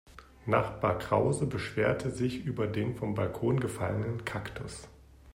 Nachbar Krause beschwerte sich über den vom Balkon gefallenen Kaktus.